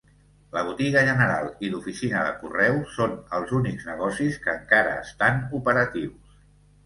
La botiga general i l'oficina de correus són els únics negocis que encara estan operatius.